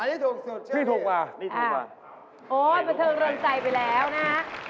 อันนี้ถูกสุดชื่อถูกกว่านี่ถูกกว่าโอ้ยบันเทิงเริ่มใจไปแล้วนะฮะ